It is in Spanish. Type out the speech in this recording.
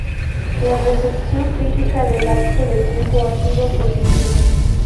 La Recepción crítica de Lapso de tiempo ha sido positiva.